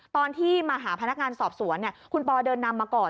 ตอนที่มาหาพนักงานสอบสวนคุณปอเดินนำมาก่อน